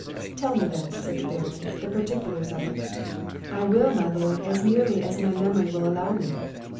"Tell me then," said the Baron, "the particulars of it." "I will, my lord, as nearly as my memory will allow me."